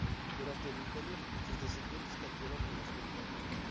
Durante el imperio, sus descendientes cayeron en la oscuridad.